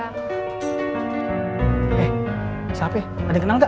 hei siapa ya ada yang kenal tak